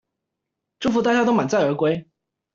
祝福大家都滿載而歸